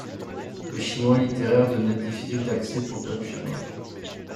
Le chinois littéraire devenait difficile d'accès pour le peuple chinois.